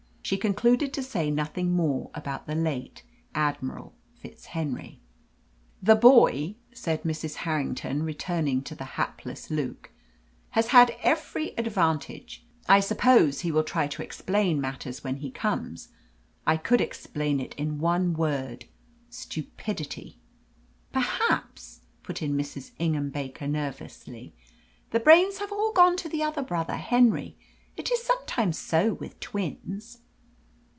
She concluded to say nothing more about the late Admiral FitzHenry. "The boy," said Mrs. Harrington, returning to the hapless Luke, "has had every advantage. I suppose he will try to explain matters when he comes. I could explain it in one word stupidity." "Perhaps," put in Mrs. Ingham Baker nervously, "the brains have all gone to the other brother, Henry. It is sometimes so with twins."